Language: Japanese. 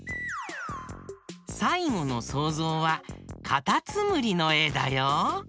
さいごのそうぞうはかたつむりのえだよ。